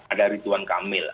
ada ridwan kamil